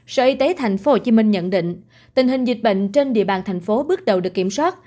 sở y tế tp hcm nhận định tình hình dịch bệnh trên địa bàn thành phố bước đầu được kiểm soát